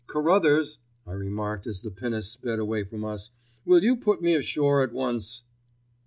"Carruthers," I remarked as the pinnace sped away from us, "will you put me ashore at once?"